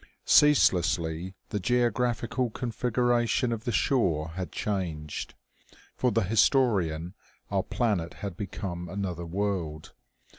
Ceaselessly the geographical configuration of the shore had changed. For the historian our planet had become another world.